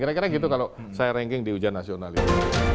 kira kira gitu kalau saya ranking di ujian nasional ini